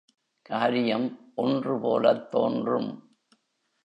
காரியம் ஒன்றுபோலத் தோன்றும்.